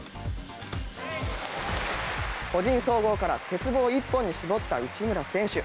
個人総合から鉄棒一本に絞った内村選手。